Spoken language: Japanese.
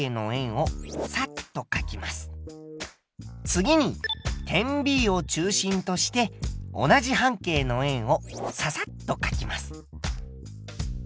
次に点Ｂを中心として同じ半径の円をササッとかきます。